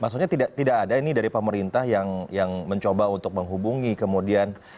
maksudnya tidak ada ini dari pemerintah yang mencoba untuk menghubungi kemudian